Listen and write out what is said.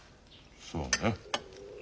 そうね。